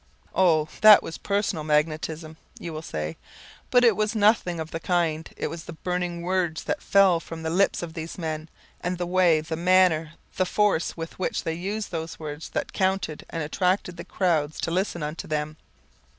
"Oh, that was personal magnetism," you will say, but it was nothing of the kind. It was the burning words that fell from the lips of these men, and the way, the manner, the force with which they used those words that counted and attracted the crowds to listen unto them.